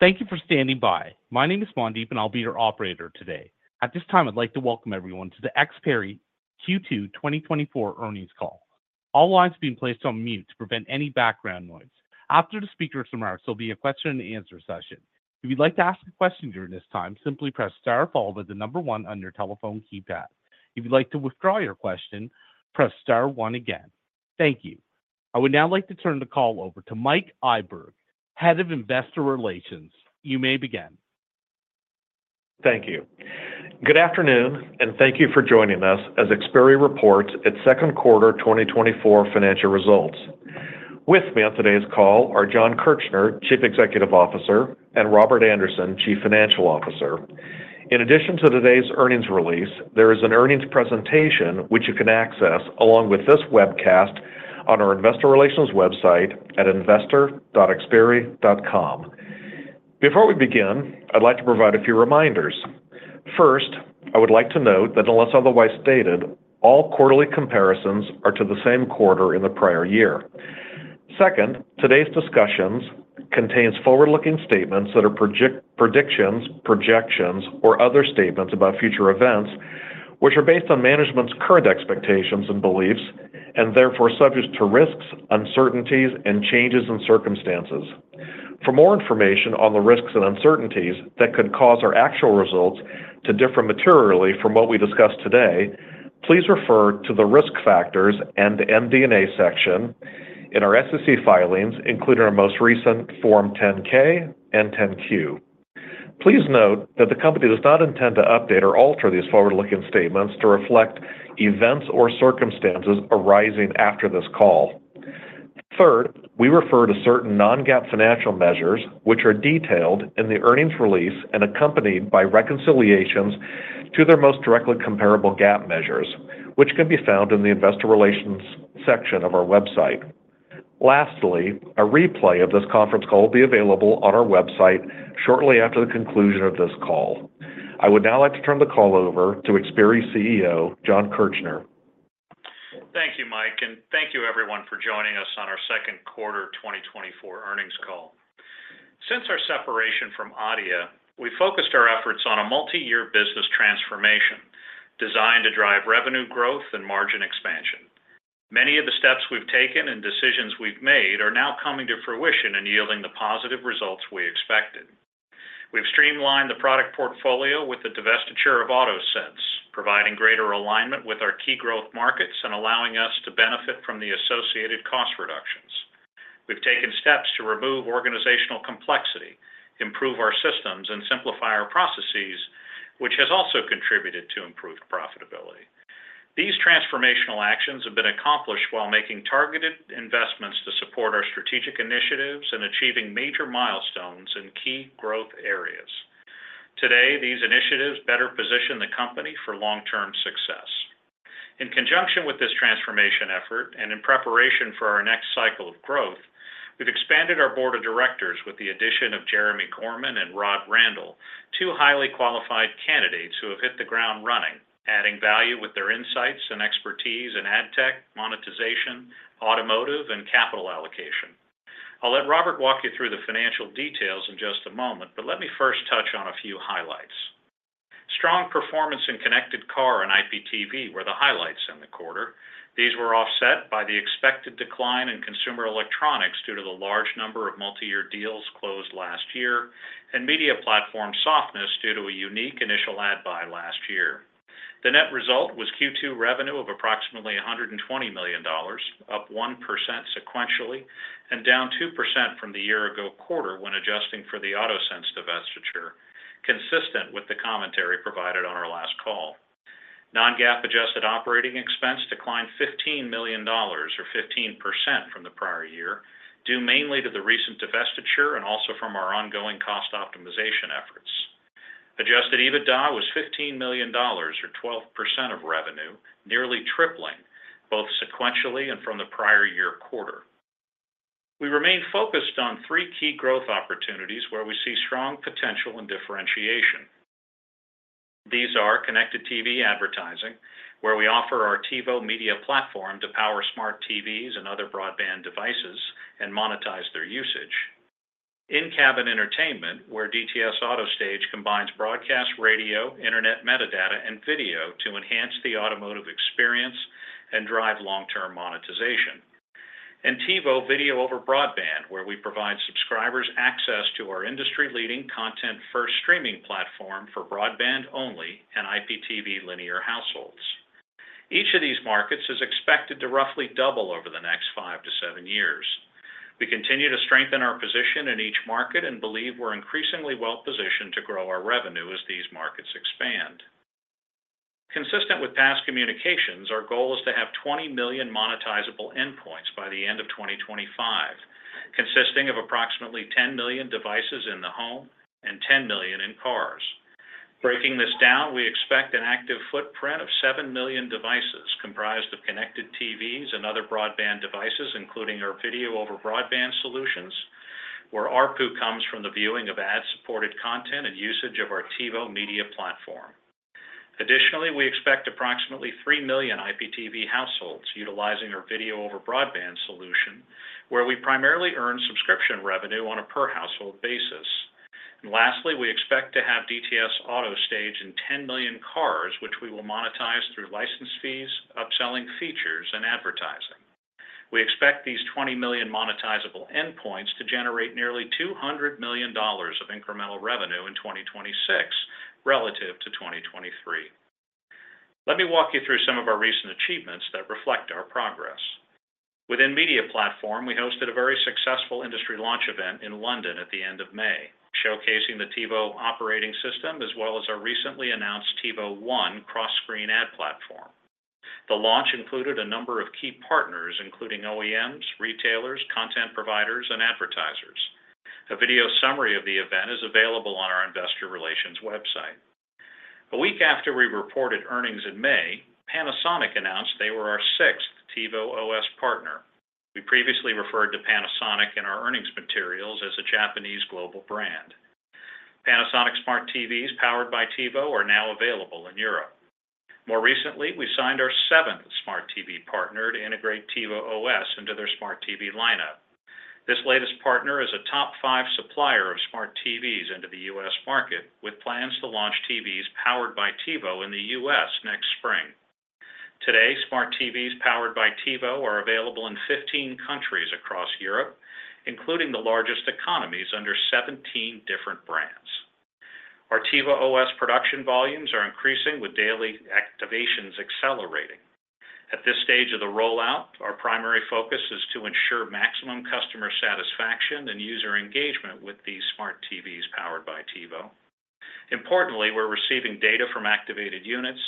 Thank you for standing by. My name is Mandeep, and I'll be your operator today. At this time, I'd like to welcome everyone to the Xperi Q2 2024 earnings call. All lines have been placed on mute to prevent any background noise. After the speaker's remarks, there'll be a question-and-answer session. If you'd like to ask a question during this time, simply press Star, followed by the number one on your telephone keypad. If you'd like to withdraw your question, press Star one again. Thank you. I would now like to turn the call over to Mike Iburg, Head of Investor Relations. You may begin. Thank you. Good afternoon, and thank you for joining us as Xperi reports its second quarter 2024 financial results. With me on today's call are Jon Kirchner, Chief Executive Officer, and Robert Andersen, Chief Financial Officer. In addition to today's earnings release, there is an earnings presentation which you can access, along with this webcast on our investor relations website at investor.xperi.com. Before we begin, I'd like to provide a few reminders. First, I would like to note that unless otherwise stated, all quarterly comparisons are to the same quarter in the prior year. Second, today's discussions contains forward-looking statements that are predictions, projections, or other statements about future events, which are based on management's current expectations and beliefs, and therefore subject to risks, uncertainties, and changes in circumstances. For more information on the risks and uncertainties that could cause our actual results to differ materially from what we discuss today, please refer to the Risk Factors and MD&A section in our SEC filings, including our most recent Form 10-K and 10-Q. Please note that the company does not intend to update or alter these forward-looking statements to reflect events or circumstances arising after this call. Third, we refer to certain non-GAAP financial measures, which are detailed in the earnings release and accompanied by reconciliations to their most directly comparable GAAP measures, which can be found in the Investor Relations section of our website. Lastly, a replay of this conference call will be available on our website shortly after the conclusion of this call. I would now like to turn the call over to Xperi's CEO, Jon Kirchner. Thank you, Mike, and thank you everyone for joining us on our second quarter 2024 earnings call. Since our separation from Adeia, we focused our efforts on a multi-year business transformation designed to drive revenue growth and margin expansion. Many of the steps we've taken and decisions we've made are now coming to fruition and yielding the positive results we expected. We've streamlined the product portfolio with the divestiture of AutoSense, providing greater alignment with our key growth markets and allowing us to benefit from the associated cost reductions. We've taken steps to remove organizational complexity, improve our systems, and simplify our processes, which has also contributed to improved profitability. These transformational actions have been accomplished while making targeted investments to support our strategic initiatives and achieving major milestones in key growth areas. Today, these initiatives better position the company for long-term success. In conjunction with this transformation effort and in preparation for our next cycle of growth, we've expanded our board of directors with the addition of Jeremi Gorman and Rod Randall, two highly qualified candidates who have hit the ground running, adding value with their insights and expertise in ad tech, monetization, automotive, and capital allocation. I'll let Robert walk you through the financial details in just a moment, but let me first touch on a few highlights. Strong performance in Connected Car and IPTV were the highlights in the quarter. These were offset by the expected decline in consumer electronics due to the large number of multi-year deals closed last year, and media platform softness due to a unique initial ad buy last year. The net result was Q2 revenue of approximately $120 million, up 1% sequentially and down 2% from the year-ago quarter when adjusting for the AutoSense divestiture, consistent with the commentary provided on our last call. Non-GAAP adjusted operating expense declined $15 million or 15% from the prior year, due mainly to the recent divestiture and also from our ongoing cost optimization efforts. Adjusted EBITDA was $15 million or 12% of revenue, nearly tripling both sequentially and from the prior year quarter. We remain focused on three key growth opportunities where we see strong potential and differentiation. These are connected TV advertising, where we offer our TiVo Media Platform to power smart TVs and other broadband devices and monetize their usage. In-cabin entertainment, where DTS AutoStage combines broadcast radio, internet metadata, and video to enhance the automotive experience and drive long-term monetization. TiVo Video over Broadband, where we provide subscribers access to our industry-leading, content-first streaming platform for broadband-only and IPTV linear households. Each of these markets is expected to roughly double over the next 5-7 years. We continue to strengthen our position in each market and believe we're increasingly well positioned to grow our revenue as these markets expand. Consistent with past communications, our goal is to have 20 million monetizable endpoints by the end of 2025, consisting of approximately 10 million devices in the home and 10 million in cars. Breaking this down, we expect an active footprint of 7 million devices comprised of connected TVs and other broadband devices, including our video over broadband solutions, where ARPU comes from the viewing of ad-supported content and usage of our TiVo Media Platform. Additionally, we expect approximately 3 million IPTV households utilizing our video over broadband solution, where we primarily earn subscription revenue on a per-household basis. Lastly, we expect to have DTS AutoStage in 10 million cars, which we will monetize through license fees, upselling features, and advertising. We expect these 20 million monetizable endpoints to generate nearly $200 million of incremental revenue in 2026 relative to 2023. Let me walk you through some of our recent achievements that reflect our progress. Within Media Platform, we hosted a very successful industry launch event in London at the end of May, showcasing the TiVo operating system, as well as our recently announced TiVo ONE cross-screen ad platform. The launch included a number of key partners, including OEMs, retailers, content providers, and advertisers. A video summary of the event is available on our investor relations website. A week after we reported earnings in May, Panasonic announced they were our sixth TiVo OS partner. We previously referred to Panasonic in our earnings materials as a Japanese global brand. Panasonic smart TVs powered by TiVo are now available in Europe. More recently, we signed our seventh Smart TV partner to integrate TiVo OS into their smart TV lineup. This latest partner is a top five supplier of smart TVs into the U.S. market, with plans to launch TVs powered by TiVo in the U.S. next spring. Today, smart TVs powered by TiVo are available in 15 countries across Europe, including the largest economies under 17 different brands. Our TiVo OS production volumes are increasing, with daily activations accelerating. At this stage of the rollout, our primary focus is to ensure maximum customer satisfaction and user engagement with these smart TVs powered by TiVo. Importantly, we're receiving data from activated units,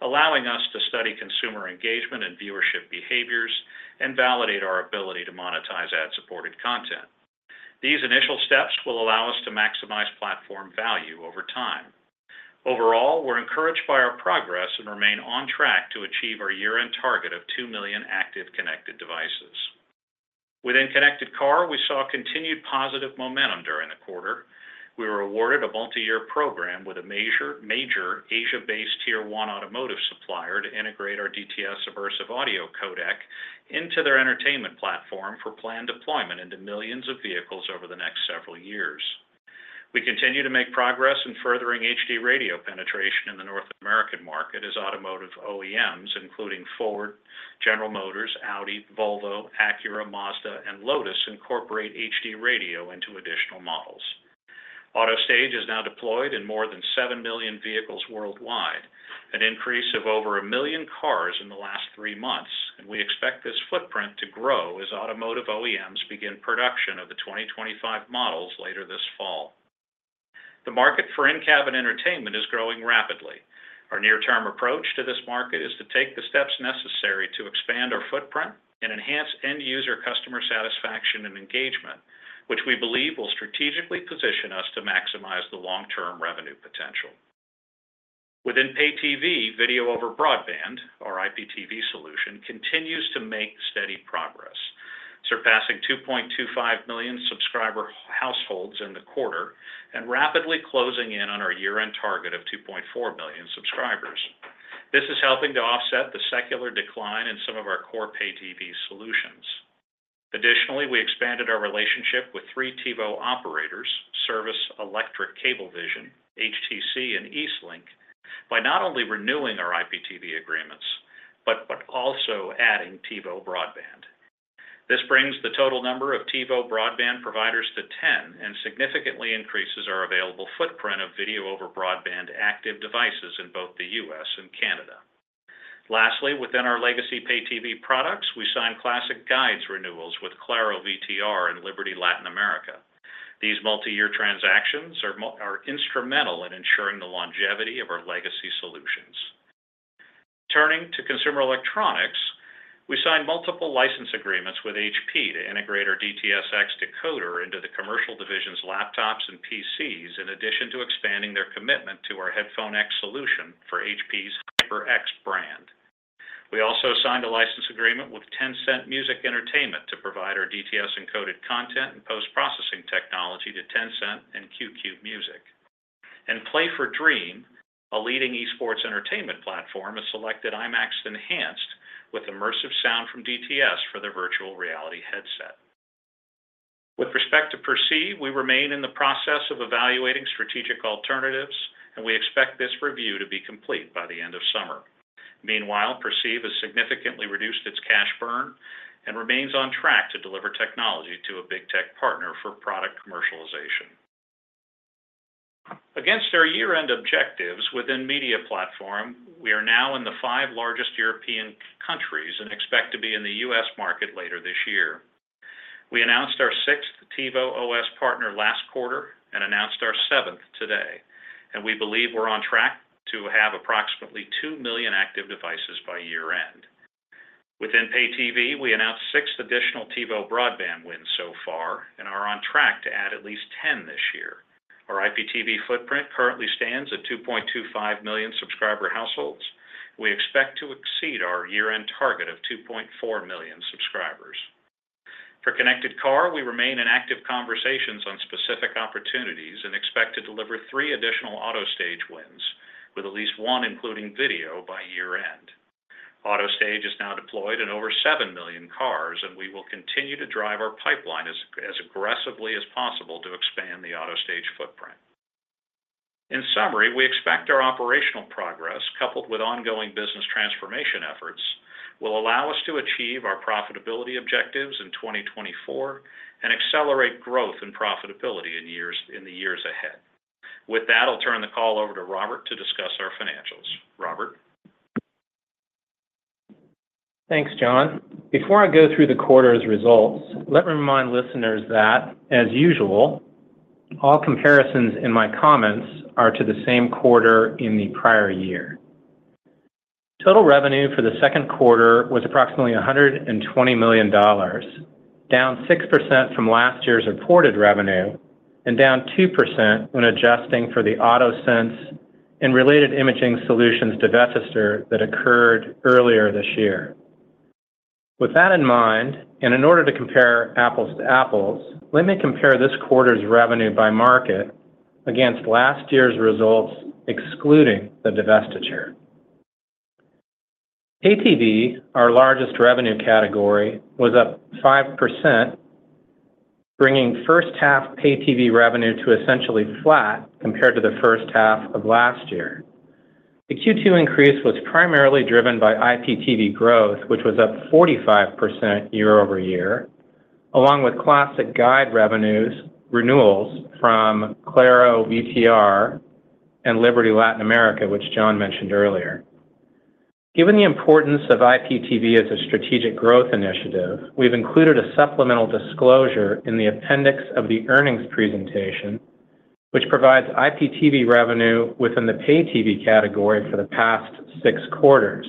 allowing us to study consumer engagement and viewership behaviors and validate our ability to monetize ad-supported content. These initial steps will allow us to maximize platform value over time. Overall, we're encouraged by our progress and remain on track to achieve our year-end target of 2 million active connected devices. Within Connected Car, we saw continued positive momentum during the quarter. We were awarded a multi-year program with a major, major Asia-based Tier One automotive supplier to integrate our DTS Immersive Audio codec into their entertainment platform for planned deployment into millions of vehicles over the next several years. We continue to make progress in furthering HD Radio penetration in the North American market as automotive OEMs, including Ford, General Motors, Audi, Volvo, Acura, Mazda, and Lotus, incorporate HD Radio into additional models. AutoStage is now deployed in more than 7 million vehicles worldwide, an increase of over 1 million cars in the last three months, and we expect this footprint to grow as automotive OEMs begin production of the 2025 models later this fall. The market for in-cabin entertainment is growing rapidly. Our near-term approach to this market is to take the steps necessary to expand our footprint and enhance end-user customer satisfaction and engagement, which we believe will strategically position us to maximize the long-term revenue potential. Within Pay-TV, video over broadband, or IPTV solution, continues to make steady progress, surpassing 2.25 million subscriber households in the quarter and rapidly closing in on our year-end target of 2.4 million subscribers. This is helping to offset the secular decline in some of our core Pay-TV solutions. Additionally, we expanded our relationship with three TiVo operators, Service Electric Cablevision, HTC, and Eastlink, by not only renewing our IPTV agreements, but also adding TiVo Broadband. This brings the total number of TiVo Broadband providers to 10 and significantly increases our available footprint of video over broadband active devices in both the U.S. and Canada. Lastly, within our legacy Pay-TV products, we signed Classic Guides renewals with Claro, VTR, and Liberty Latin America. These multi-year transactions are instrumental in ensuring the longevity of our legacy solutions. Turning to consumer electronics, we signed multiple license agreements with HP to integrate our DTS:X decoder into the commercial division's laptops and PCs, in addition to expanding their commitment to our Headphone:X solution for HP's HyperX brand. We also signed a license agreement with Tencent Music Entertainment to provide our DTS-encoded content and post-processing technology to Tencent and QQ Music. And Play For Dream, a leading esports entertainment platform, has selected IMAX Enhanced with immersive sound from DTS for their virtual reality headset. With respect to Perceive, we remain in the process of evaluating strategic alternatives, and we expect this review to be complete by the end of summer. Meanwhile, Perceive has significantly reduced its cash burn and remains on track to deliver technology to a big tech partner for product commercialization. Against our year-end objectives within Media Platform, we are now in the five largest European countries and expect to be in the U.S. market later this year. We announced our sixth TiVo OS partner last quarter and announced our seventh today, and we believe we're on track to have approximately 2 million active devices by year-end. Within Pay-TV, we announced six additional TiVo Broadband wins so far and are on track to add at least 10 this year. Our IPTV footprint currently stands at 2.25 million subscriber households. We expect to exceed our year-end target of 2.4 million subscribers. For Connected Car, we remain in active conversations on specific opportunities and expect to deliver three additional AutoStage wins, with at least one including video by year-end. AutoStage is now deployed in over seven million cars, and we will continue to drive our pipeline as aggressively as possible to expand the AutoStage footprint. In summary, we expect our operational progress, coupled with ongoing business transformation efforts, will allow us to achieve our profitability objectives in 2024 and accelerate growth and profitability in the years ahead. With that, I'll turn the call over to Robert to discuss our financials. Robert? Thanks, Jon. Before I go through the quarter's results, let me remind listeners that, as usual, all comparisons in my comments are to the same quarter in the prior year. Total revenue for the second quarter was approximately $120 million, down 6% from last year's reported revenue and down 2% when adjusting for the AutoSense and related imaging solutions divestiture that occurred earlier this year. With that in mind, and in order to compare apples to apples, let me compare this quarter's revenue by market against last year's results, excluding the divestiture. Pay TV, our largest revenue category, was up 5%, bringing first half Pay TV revenue to essentially flat compared to the first half of last year. The Q2 increase was primarily driven by IPTV growth, which was up 45% year-over-year, along with Classic Guides revenues, renewals from Claro, VTR, and Liberty Latin America, which Jon mentioned earlier. Given the importance of IPTV as a strategic growth initiative, we've included a supplemental disclosure in the appendix of the earnings presentation, which provides IPTV revenue within the Pay-TV category for the past six quarters.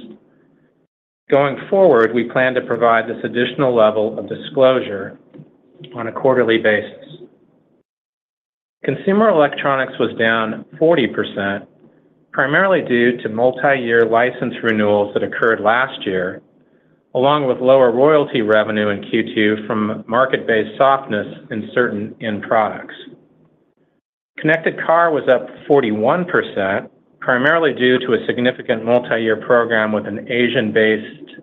Going forward, we plan to provide this additional level of disclosure on a quarterly basis. Consumer Electronics was down 40%, primarily due to multi-year license renewals that occurred last year, along with lower royalty revenue in Q2 from market-based softness in certain end products. Connected Car was up 41%, primarily due to a significant multi-year program with an Asian-based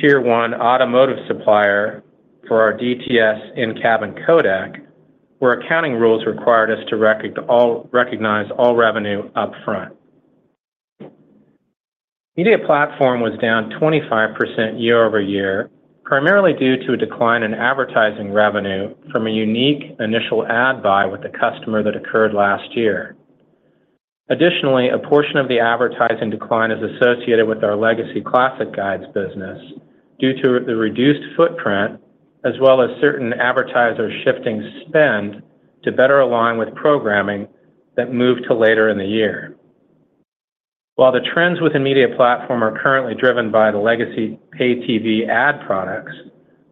Tier One automotive supplier for our DTS in-cabin codec, where accounting rules required us to recognize all revenue upfront. Media Platform was down 25% year-over-year, primarily due to a decline in advertising revenue from a unique initial ad buy with a customer that occurred last year. Additionally, a portion of the advertising decline is associated with our legacy Classic Guides business due to the reduced footprint, as well as certain advertisers shifting spend to better align with programming that moved to later in the year. While the trends within Media Platform are currently driven by the legacy Pay-TV ad products,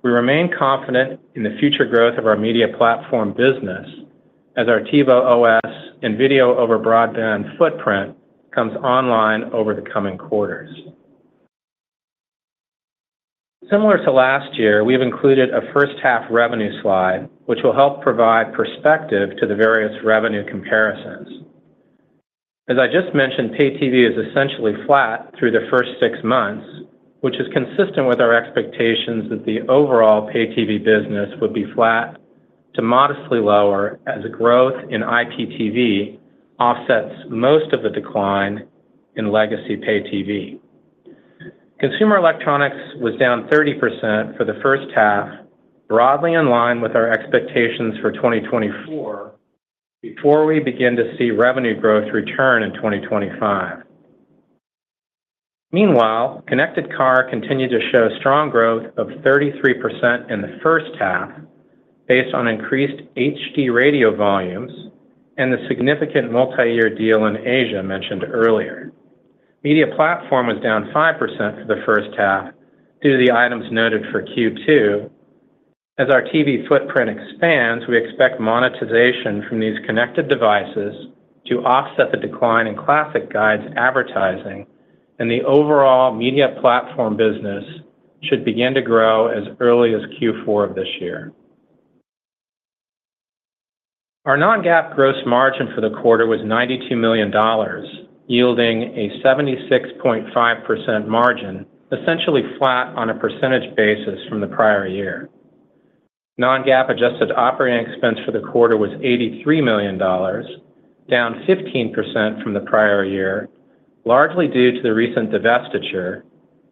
we remain confident in the future growth of our Media Platform business as our TiVo OS and video over broadband footprint comes online over the coming quarters. Similar to last year, we've included a first half revenue slide, which will help provide perspective to the various revenue comparisons. As I just mentioned, Pay-TV is essentially flat through the first six months, which is consistent with our expectations that the overall Pay-TV business would be flat to modestly lower as growth in IPTV offsets most of the decline in legacy Pay-TV. Consumer Electronics was down 30% for the first half, broadly in line with our expectations for 2024, before we begin to see revenue growth return in 2025. Meanwhile, Connected Car continued to show strong growth of 33% in the first half based on increased HD Radio volumes and the significant multi-year deal in Asia mentioned earlier. Media Platform was down 5% for the first half due to the items noted for Q2. As our TV footprint expands, we expect monetization from these connected devices to offset the decline in Classic Guides advertising, and the overall Media Platform business should begin to grow as early as Q4 of this year. Our non-GAAP gross margin for the quarter was $92 million, yielding a 76.5% margin, essentially flat on a percentage basis from the prior year. Non-GAAP adjusted operating expense for the quarter was $83 million, down 15% from the prior year, largely due to the recent divestiture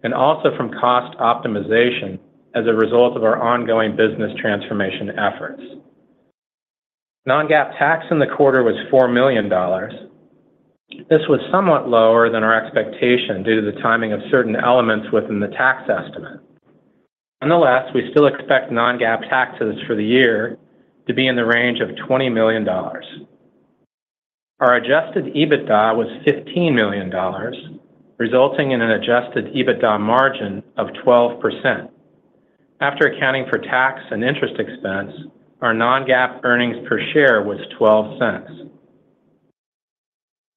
and also from cost optimization as a result of our ongoing business transformation efforts. Non-GAAP tax in the quarter was $4 million. This was somewhat lower than our expectation due to the timing of certain elements within the tax estimate. Nonetheless, we still expect non-GAAP taxes for the year to be in the range of $20 million. Our adjusted EBITDA was $15 million, resulting in an adjusted EBITDA margin of 12%. After accounting for tax and interest expense, our non-GAAP earnings per share was $0.12.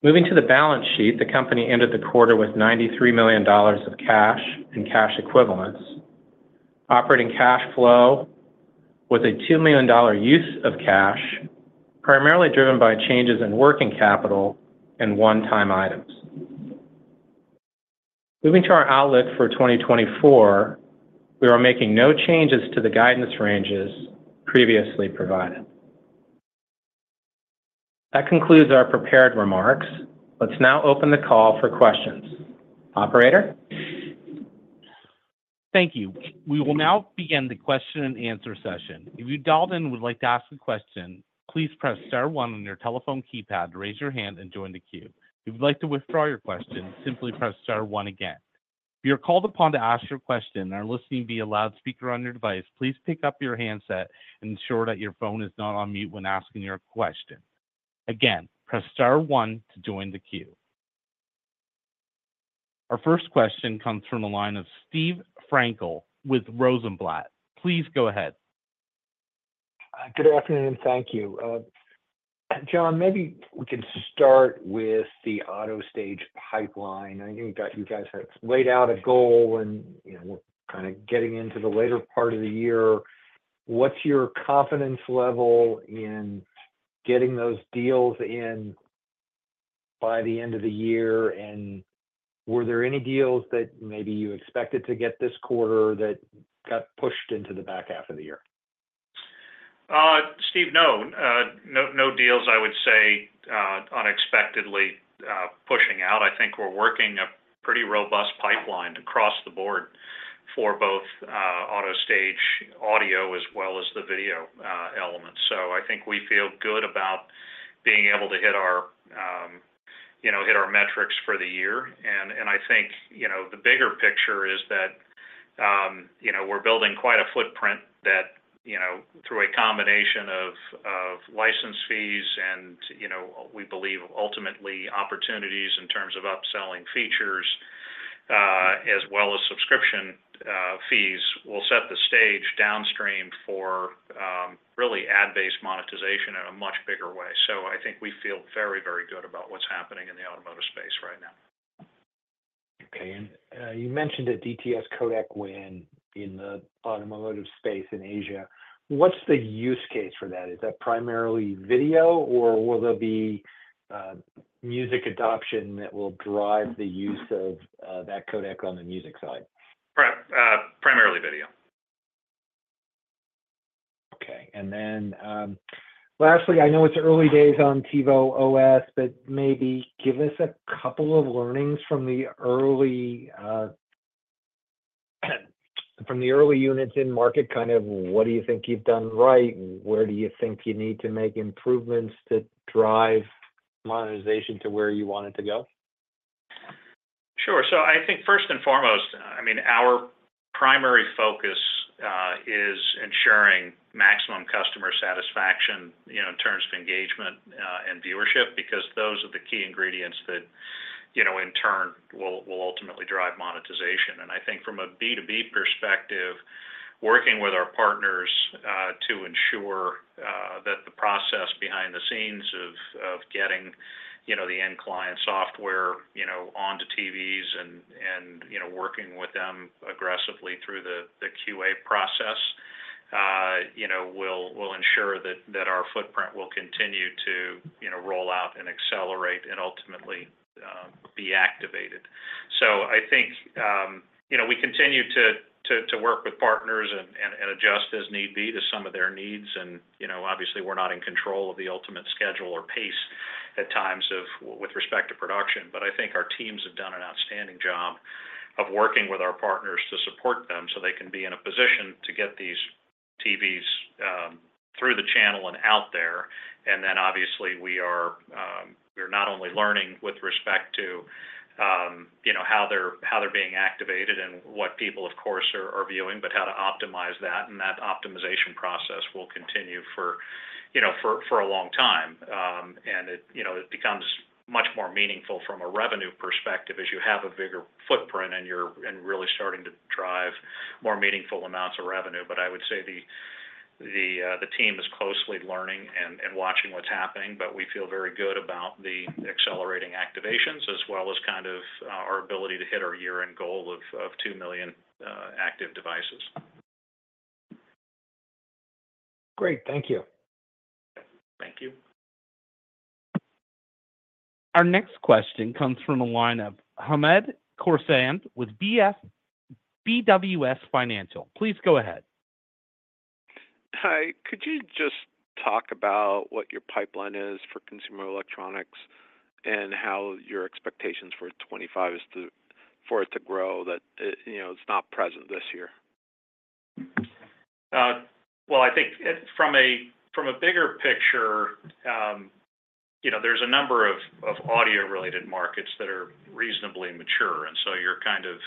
Moving to the balance sheet, the company ended the quarter with $93 million of cash and cash equivalents. Operating cash flow with a $2 million use of cash, primarily driven by changes in working capital and one-time items. Moving to our outlook for 2024, we are making no changes to the guidance ranges previously provided. That concludes our prepared remarks. Let's now open the call for questions. Operator? Thank you. We will now begin the question and answer session. If you dialed in and would like to ask a question, please press star one on your telephone keypad to raise your hand and join the queue. If you'd like to withdraw your question, simply press star one again. If you're called upon to ask your question and are listening via loudspeaker on your device, please pick up your handset and ensure that your phone is not on mute when asking your question. Again, press star one to join the queue. Our first question comes from the line of Steve Frankel with Rosenblatt. Please go ahead. Good afternoon, and thank you. Jon, maybe we can start with the AutoStage pipeline. I think you guys have laid out a goal, and, you know, we're kinda getting into the later part of the year. What's your confidence level in getting those deals in by the end of the year? And were there any deals that maybe you expected to get this quarter that got pushed into the back half of the year? Steve, no. No, no deals, I would say, unexpectedly, pushing out. I think we're working a pretty robust pipeline across the board for both, AutoStage audio as well as the video, elements. So I think we feel good about being able to hit our, you know, hit our metrics for the year. And I think, you know, the bigger picture is that, you know, we're building quite a footprint that, you know, through a combination of, license fees and, you know, we believe, ultimately, opportunities in terms of upselling features, as well as subscription, fees, will set the stage downstream for, really ad-based monetization in a much bigger way. So I think we feel very, very good about what's happening in the automotive space right now. Okay. And, you mentioned a DTS codec win in the automotive space in Asia. What's the use case for that? Is that primarily video, or will there be, music adoption that will drive the use of, that codec on the music side? Primarily video. Okay. And then, lastly, I know it's early days on TiVo OS, but maybe give us a couple of learnings from the early units in market. Kind of, what do you think you've done right, and where do you think you need to make improvements to drive monetization to where you want it to go? Sure. So I think first and foremost, I mean, our primary focus is ensuring maximum customer satisfaction, you know, in terms of engagement and viewership, because those are the key ingredients that, you know, in turn, will ultimately drive monetization. And I think from a B2B perspective, working with our partners to ensure that the process behind the scenes of getting, you know, the end client software, you know, onto TVs and working with them aggressively through the QA process, you know, will ensure that our footprint will continue to, you know, roll out and accelerate and ultimately be activated. So I think, you know, we continue to work with partners and adjust as need be to some of their needs. You know, obviously, we're not in control of the ultimate schedule or pace at times of... with respect to production. But I think our teams have done an outstanding job of working with our partners to support them so they can be in a position to get these TVs through the channel and out there. And then, obviously, we are, we're not only learning with respect to, you know, how they're being activated and what people, of course, are viewing, but how to optimize that, and that optimization process will continue for, you know, for a long time. And it, you know, it becomes much more meaningful from a revenue perspective as you have a bigger footprint and you're, and really starting to drive more meaningful amounts of revenue. But I would say the team is closely learning and watching what's happening, but we feel very good about the accelerating activations, as well as kind of our ability to hit our year-end goal of 2 million active devices. Great. Thank you. Thank you. Our next question comes from the line of Hamed Khorsand with BWS Financial. Please go ahead. Hi, could you just talk about what your pipeline is for consumer electronics and how your expectations for 2025 is to, for it to grow, that, you know, it's not present this year? Well, I think it—from a bigger picture, you know, there's a number of audio-related markets that are reasonably mature, and so you're kind of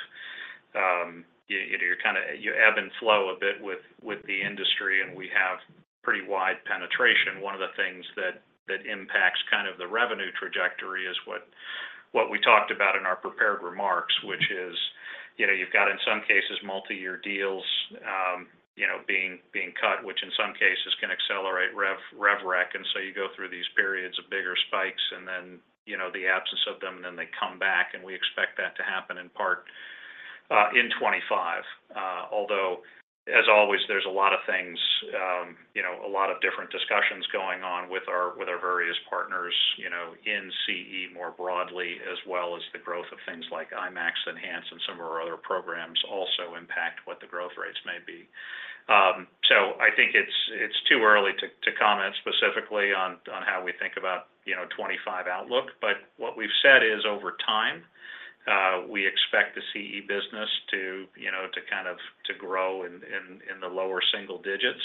you ebb and flow a bit with the industry, and we have pretty wide penetration. One of the things that impacts kind of the revenue trajectory is what we talked about in our prepared remarks, which is, you know, you've got, in some cases, multi-year deals, you know, being cut, which in some cases can accelerate rev rec. And so you go through these periods of bigger spikes, and then, you know, the absence of them, and then they come back, and we expect that to happen in part in 2025. Although, as always, there's a lot of things, you know, a lot of different discussions going on with our various partners, you know, in CE, more broadly, as well as the growth of things like IMAX Enhanced and some of our other programs also impact what the growth rates may be. So I think it's too early to comment specifically on how we think about, you know, 2025 outlook. But what we've said is, over time, we expect the CE business to, you know, to kind of grow in the lower single digits.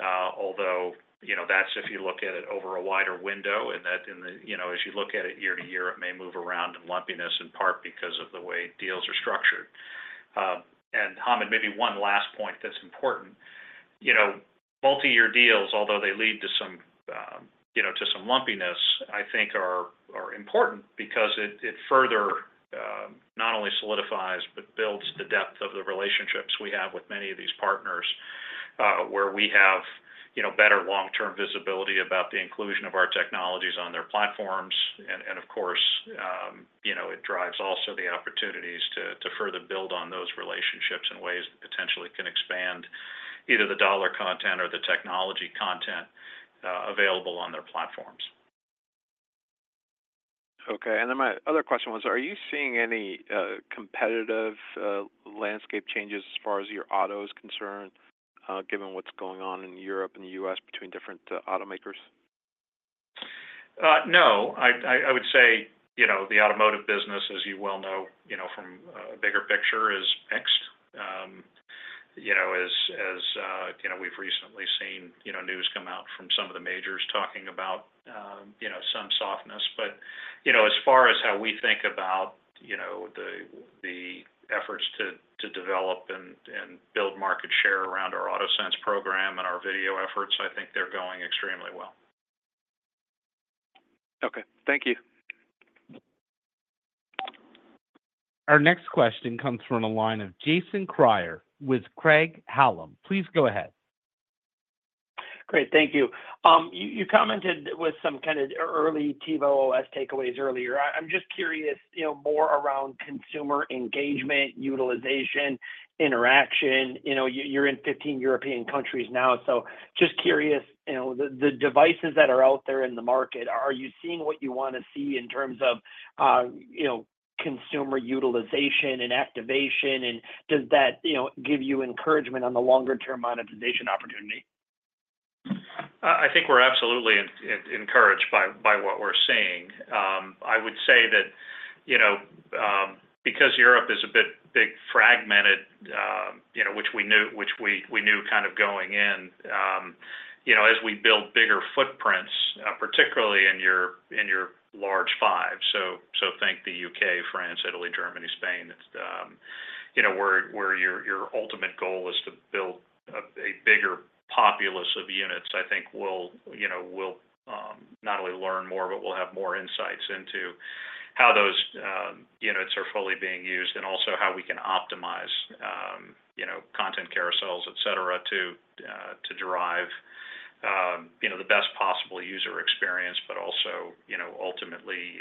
Although, you know, that's if you look at it over a wider window, and that, you know, as you look at it year to year, it may move around in lumpiness, in part because of the way deals are structured. Hamed, maybe one last point that's important. You know, multiyear deals, although they lead to some, you know, to some lumpiness, I think are important because it further not only solidifies but builds the depth of the relationships we have with many of these partners, where we have, you know, better long-term visibility about the inclusion of our technologies on their platforms. And of course, you know, it drives also the opportunities to further build on those relationships in ways that potentially can expand either the dollar content or the technology content available on their platforms. Okay, and then my other question was, are you seeing any competitive landscape changes as far as your auto is concerned, given what's going on in Europe and the U.S. between different automakers? No. I would say, you know, the automotive business, as you well know, you know, from a bigger picture, is mixed. You know, as you know, we've recently seen, you know, news come out from some of the majors talking about, you know, some softness. But, you know, as far as how we think about, you know, the efforts to develop and build market share around our AutoSense program and our video efforts, I think they're going extremely well. Okay. Thank you. Our next question comes from the line of Jason Kreyer with Craig-Hallum. Please go ahead. Great. Thank you. You, you commented with some kind of early TiVo OS takeaways earlier. I'm just curious, you know, more around consumer engagement, utilization, interaction. You know, you're in 15 European countries now, so just curious, you know, the, the devices that are out there in the market, are you seeing what you wanna see in terms of, you know, consumer utilization and activation? And does that, you know, give you encouragement on the longer term monetization opportunity? I think we're absolutely encouraged by what we're seeing. I would say that, you know, because Europe is a bit fragmented, you know, which we knew, which we knew kind of going in, you know, as we build bigger footprints, particularly in your large five, so think the U.K., France, Italy, Germany, Spain, you know, where your ultimate goal is to build a bigger populace of units. I think we'll, you know, we'll not only learn more, but we'll have more insights into how those units are fully being used and also how we can optimize, you know, content carousels, et cetera, to derive, you know, the best possible user experience, but also, you know, ultimately,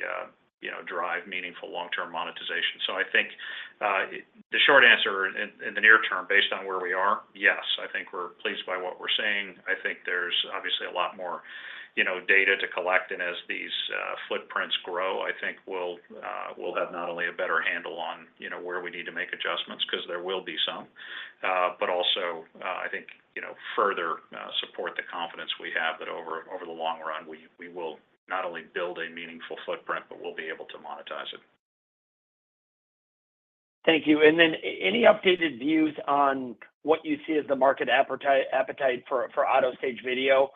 you know, drive meaningful long-term monetization. So I think, the short answer in the near term, based on where we are, yes, I think we're pleased by what we're seeing. I think there's obviously a lot more, you know, data to collect. And as these footprints grow, I think we'll have not only a better handle on, you know, where we need to make adjustments, 'cause there will be some, but also, I think, you know, further support the confidence we have that over the long run, we will not only build a meaningful footprint, but we'll be able to monetize it. Thank you. And then any updated views on what you see as the market appetite for, for AutoStage video?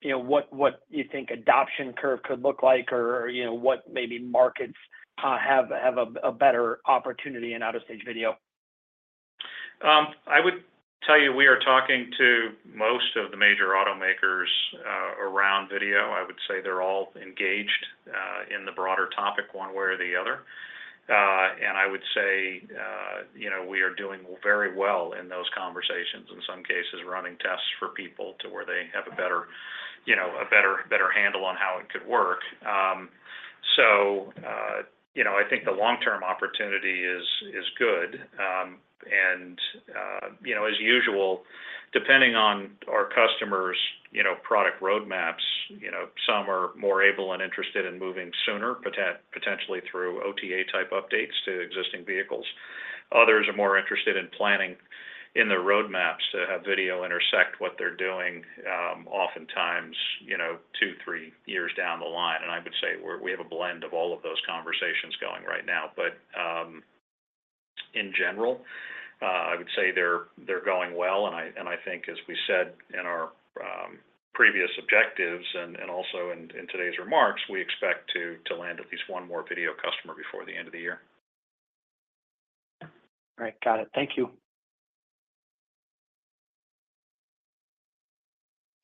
You know, what, what you think adoption curve could look like, or, you know, what maybe markets, have, have a, a better opportunity in AutoStage video? I would tell you, we are talking to most of the major automakers around video. I would say they're all engaged in the broader topic, one way or the other. And I would say, you know, we are doing very well in those conversations, in some cases, running tests for people to where they have a better, you know, a better, better handle on how it could work. So, you know, I think the long-term opportunity is, is good. And, you know, as usual, depending on our customers', you know, product roadmaps, you know, some are more able and interested in moving sooner, potentially through OTA type updates to existing vehicles. Others are more interested in planning in their roadmaps to have video intersect what they're doing, oftentimes, you know, two, three years down the line. I would say we have a blend of all of those conversations going right now. But, in general, I would say they're going well, and I think as we said in our previous objectives and also in today's remarks, we expect to land at least one more video customer before the end of the year. All right. Got it. Thank you. ...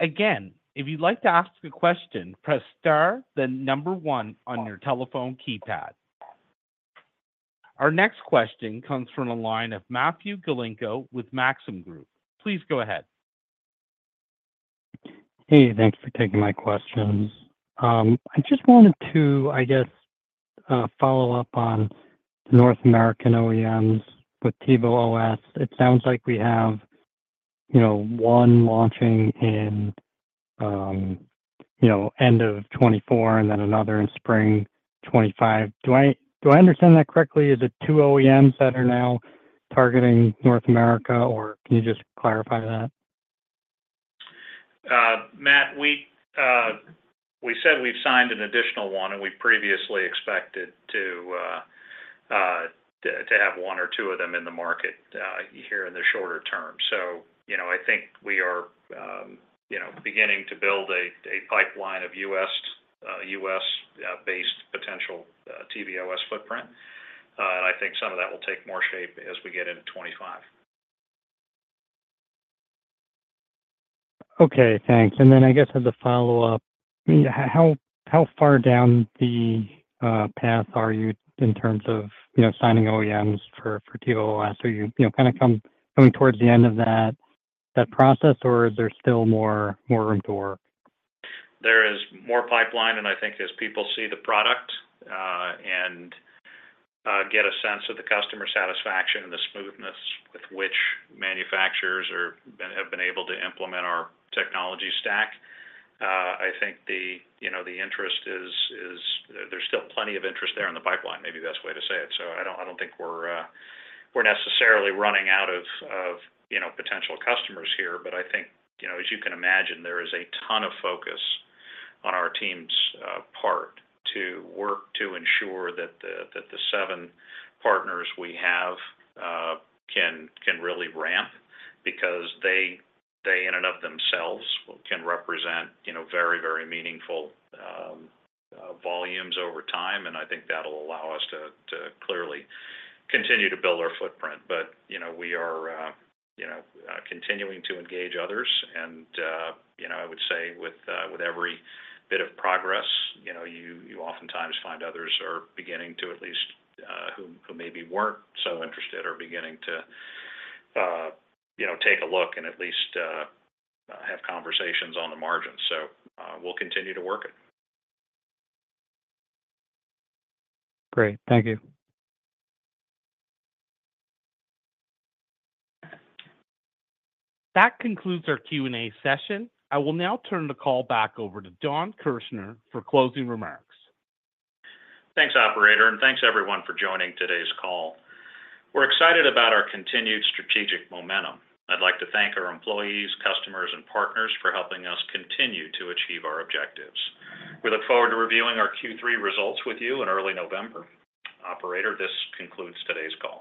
Again, if you'd like to ask a question, press star, then number one on your telephone keypad. Our next question comes from the line of Matthew Galanko with Maxim Group. Please go ahead. Hey, thanks for taking my questions. I just wanted to, I guess, follow up on North American OEMs with TiVo OS. It sounds like we have, you know, one launching in, you know, end of 2024, and then another in spring 2025. Do I understand that correctly? Is it two OEMs that are now targeting North America, or can you just clarify that? Matt, we said we've signed an additional one, and we previously expected to have one or two of them in the market here in the shorter term. So, you know, I think we are, you know, beginning to build a pipeline of U.S.-based potential TiVo OS footprint. And I think some of that will take more shape as we get into 2025. Okay, thanks. And then I guess as a follow-up, how far down the path are you in terms of, you know, signing OEMs for TiVo OS? Are you, you know, kinda coming towards the end of that process, or is there still more room to work? There is more pipeline, and I think as people see the product, and get a sense of the customer satisfaction and the smoothness with which manufacturers are, have been able to implement our technology stack, I think the, you know, the interest is there's still plenty of interest there on the pipeline. Maybe the best way to say it. So I don't think we're necessarily running out of, you know, potential customers here, but I think, you know, as you can imagine, there is a ton of focus on our team's part to work to ensure that the seven partners we have can really ramp because they in and of themselves can represent, you know, very, very meaningful volumes over time, and I think that'll allow us to clearly continue to build our footprint. But, you know, we are, you know, continuing to engage others, and, you know, I would say with every bit of progress, you know, you oftentimes find others are beginning to at least, who maybe weren't so interested, are beginning to, you know, take a look and at least, have conversations on the margin. So, we'll continue to work it. Great. Thank you. That concludes our Q&A session. I will now turn the call back over to Jon Kirchner for closing remarks. Thanks, operator, and thanks everyone for joining today's call. We're excited about our continued strategic momentum. I'd like to thank our employees, customers, and partners for helping us continue to achieve our objectives. We look forward to reviewing our Q3 results with you in early November. Operator, this concludes today's call.